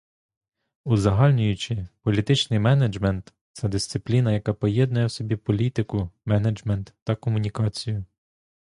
Узагальнюючи, політичний менеджмент - це дисципліна, яка поєднує в собі політику, менеджмент та комунікацію.